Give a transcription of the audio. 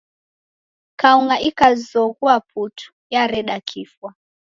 Kaung'a ikazoghua putu, yareda kifwa.